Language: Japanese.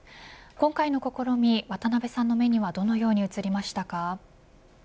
今回の試み、渡辺さんの目にはどのように映りましたか。